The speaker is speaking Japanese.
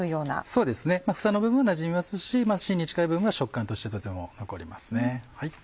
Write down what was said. そうですね房の部分はなじみますし芯に近い部分は食感としてとても残りますね。